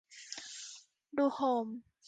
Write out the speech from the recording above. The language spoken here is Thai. ดูโฮม